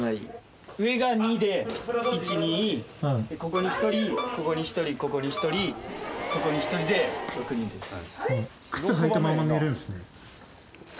ここに１人ここに１人ここに１人そこに１人で６人です。